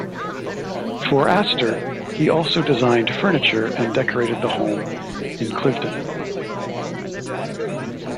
For Astor, he also designed furniture and decorated the home in Cliveden.